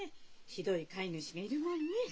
ひどい飼い主がいるもんね。